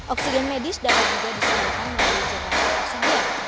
oksigen medis dapat juga disediakan melalui generator oksigen